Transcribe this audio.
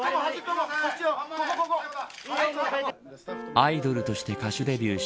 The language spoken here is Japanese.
アイドルとして歌手デビューし